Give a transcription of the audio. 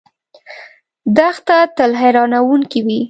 دښته تل حیرانونکې وي.